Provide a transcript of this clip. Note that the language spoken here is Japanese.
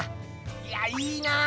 いやいいなぁ